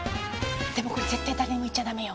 でもこれ絶対誰にも言っちゃ駄目よ。